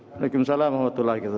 wa'alaikumsalam warahmatullah wabarakatuh